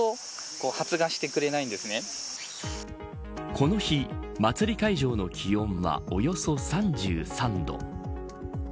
この日、祭り会場の気温はおよそ３３度。